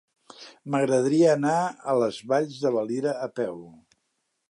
M'agradaria anar a les Valls de Valira a peu.